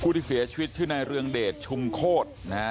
ที่เสียชีวิตชื่อนายเรืองเดชชุมโคตรนะฮะ